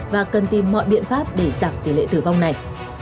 và cần tìm mọi biện pháp để giảm tỷ lệ tử vong này